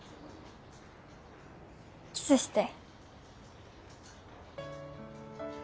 キスして